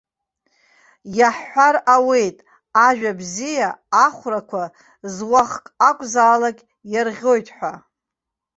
Иаҳҳәар ауеит, ажәа бзиа ахәрақәа зуахк акәзаалак иарӷьоит ҳәа.